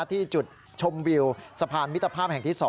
ที่จุดชมวิวสะพานมิตรภาพแห่งที่๒